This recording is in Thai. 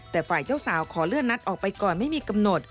แต่ฝ่ายเจ้าสาวขอเลื่อนนัดออกไปก่อนไม่มีกำหนด